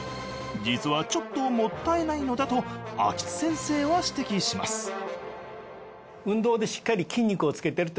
実はちょっともったいないのだと秋津先生は指摘しますああ。